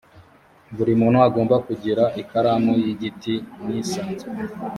buri muntu agomba kugira ikaramu y’igiti n’isanzwe